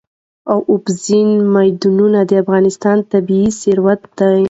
اوبزین معدنونه د افغانستان طبعي ثروت دی.